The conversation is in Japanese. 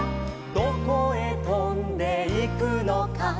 「どこへとんでいくのか」